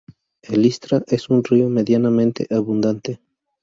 El Istra es un río medianamente abundante.